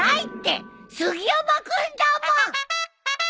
杉山君だもん！